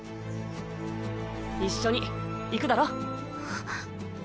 一緒に行くだろ？